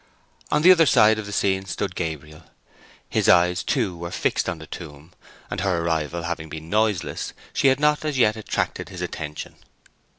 On the other side of the scene stood Gabriel. His eyes, too, were fixed on the tomb, and her arrival having been noiseless, she had not as yet attracted his attention.